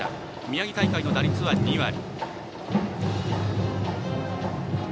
宮城大会の打率は２割。